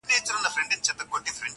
هغې ويله چي تل پرېشان ښه دی,